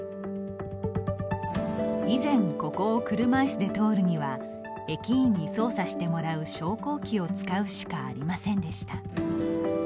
以前、ここを車いすで通るには駅員に操作してもらう昇降機を使うしかありませんでした。